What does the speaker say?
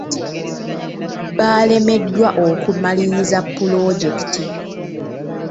Baalemeddwa okumaliriza pulojekiti.